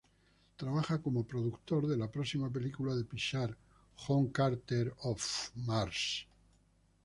Trabaja como productor de la próxima película de Pixar "John Carter of Mars".